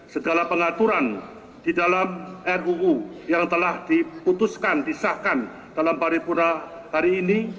segala pengaturan di dalam ruu yang telah diputuskan disahkan dalam paripurna hari ini